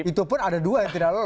itu pun ada dua yang tidak lolos